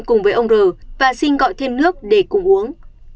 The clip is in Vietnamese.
duy nói chuyện cùng với ông r và xin gọi thêm nước để cùng uống